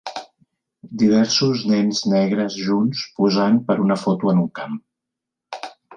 Diversos nens negres junts posant per una foto en un camp.